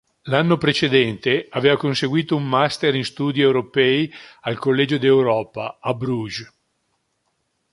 L'anno precedente, aveva conseguito un master in studi europei al Collegio d'Europa, a Bruges.